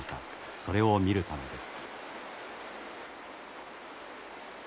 それを見るためです。